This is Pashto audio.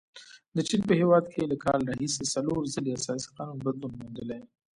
د چین په هیواد کې له کال راهیسې څلور ځلې اساسي قانون بدلون موندلی.